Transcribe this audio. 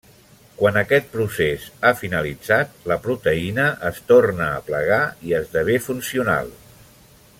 Quan aquest procés ha finalitzat, la proteïna es torna a plegar i esdevé funcional.